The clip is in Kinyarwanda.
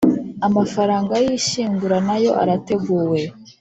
amafaranga y’ishyingura nayo arateguwe